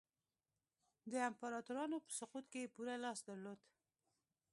د امپراتورانو په سقوط کې یې پوره لاس درلود.